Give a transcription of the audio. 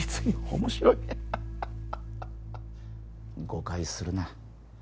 誤解するな。